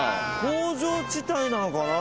工場地帯なのかな？